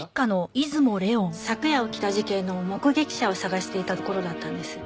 昨夜起きた事件の目撃者を捜していたところだったんです。